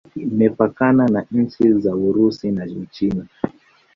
Imepakana na nchi za Urusi na Uchina.